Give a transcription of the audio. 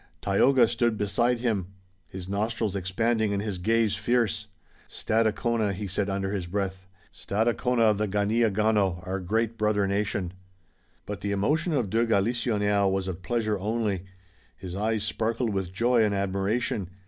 Tayoga stood beside him, his nostrils expanding and his gaze fierce: "Stadacona!" he said under his breath, "Stadacona of the Ganeagaono, our great brother nation!" But the emotion of de Galisonnière was of pleasure only. His eyes sparkled with joy and admiration.